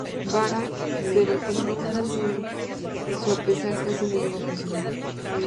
Vara, pero que muy a su pesar, casi no llegó a funcionar.